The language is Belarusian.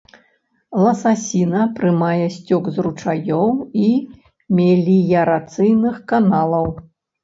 Ласасіна прымае сцёк з ручаёў і меліярацыйных каналаў.